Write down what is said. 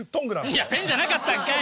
いやペンじゃなかったんかい！